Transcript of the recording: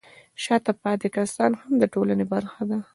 شاته پاتې کسان هم د ټولنې برخه دي.